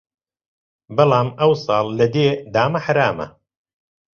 بەڵام ئەو ساڵ لە دێ دامە حەرامە